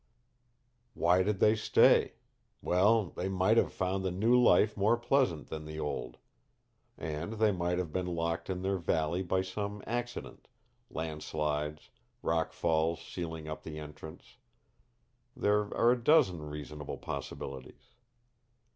"Why did they stay? Well, they might have found the new life more pleasant than the old. And they might have been locked in their valley by some accident landslides, rockfalls sealing up the entrance. There are a dozen reasonable possibilities."